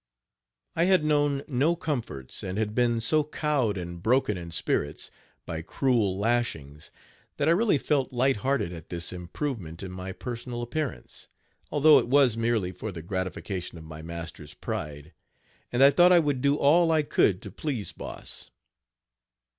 I had known no comforts, and had been so cowed and broken in spirits, by cruel lashings, that I really felt light hearted at this improvement in my Page 64 personal appearance, although it was merely for the gratification of my master's pride; and I thought I would do all I could to please Boss.